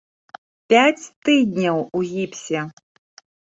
Пяць тыдняў у гіпсе!!!